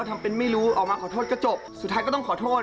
ทำเป็นไม่รู้ออกมาขอโทษก็จบสุดท้ายก็ต้องขอโทษ